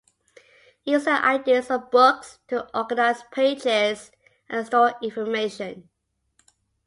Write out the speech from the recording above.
It uses the ideas of books to organise pages and store information.